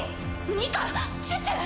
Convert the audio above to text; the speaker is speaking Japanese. ニカチュチュ！